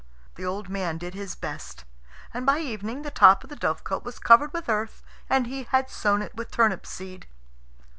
The old man did his best, and by evening the top of the dovecot was covered with earth, and he had sown it with turnip seed.